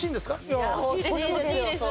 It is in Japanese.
いや欲しいですよ